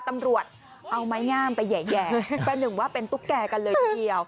ตำรวจเอาไม้งามไปแห่ประหนึ่งว่าเป็นตุ๊กแก่กันเลยทีเดียว